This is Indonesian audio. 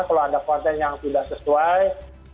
kalau ada konten yang tidak sesuai